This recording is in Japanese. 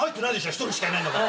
１人しかいないんだから。